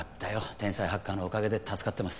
天才ハッカーのおかげで助かってます